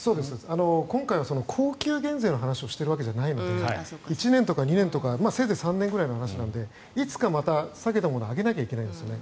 今回は恒久減税の話をしているわけではないので１年とかせいぜい３年ぐらいの話なのでいつかまた下げたものを上げなきゃいけないんですね。